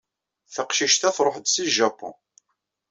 Taqcict-a truḥ-d seg Japun.